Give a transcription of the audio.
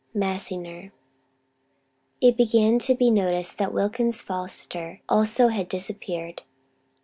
MASSINGER. It began to be noticed that Wilkins Foster also had disappeared.